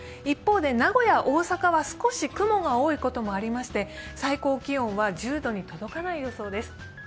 一方で名古屋、大阪は少し雲が多いこともありまして最高気温は１０度に届かない予想です。